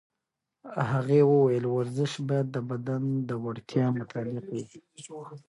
هغې وویل ورزش باید د بدن د وړتیاوو مطابق وي.